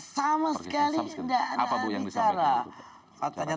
sama sekali enggak ada yang bicara